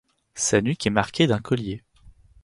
Sa nuque est marquée d'un collier.